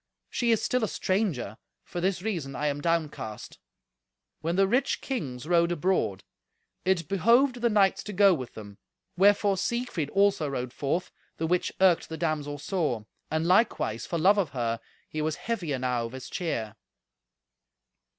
She is still a stranger. For this reason I am downcast." When the rich kings rode abroad, it behoved the knights to go with them, wherefore Siegfried also rode forth, the which irked the damsel sore; and likewise, for love of her, he was heavy enow of his cheer.